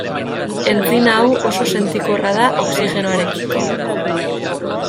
Entzima hau oso sentikorra da oxigenoarekiko.